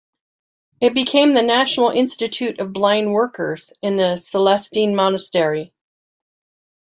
It became the National Institute of blind workers in a Celestine monastery.